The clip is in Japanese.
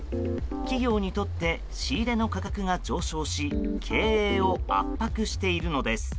企業にとって仕入れの価格が上昇し経営を圧迫しているのです。